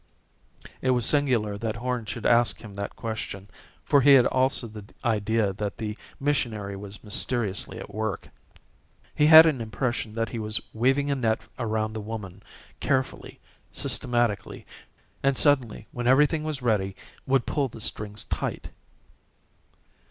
It was singular that Horn should ask him that question, for he also had the idea that the missionary was mysteriously at work. He had an impression that he was weaving a net around the woman, carefully, systematically, and suddenly, when everything was ready would pull the strings tight.